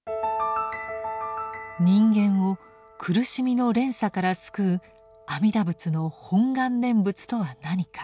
人間を苦しみの連鎖から救う阿弥陀仏の「本願念仏」とは何か。